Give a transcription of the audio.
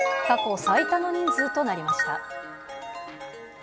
過去最多の人数となりました。